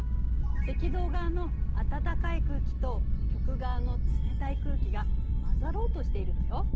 赤道側の暖かい空気と極側の冷たい空気が混ざろうとしているのよ。